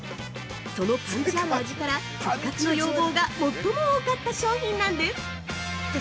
そのパンチある味から復活の要望が最も多かった商品なんです。